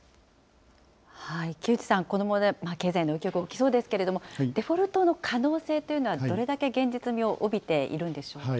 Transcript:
木内さん、この問題、経済への影響が大きそうですけれども、デフォルトの可能性というのは、どれだけ現実味を帯びているんでしょうか。